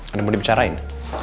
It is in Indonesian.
ada yang mau dibicarain